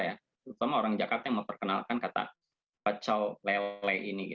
terutama orang jakarta yang memperkenalkan kata bacau lele ini